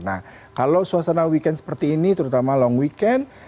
nah kalau suasana weekend seperti ini terutama long weekend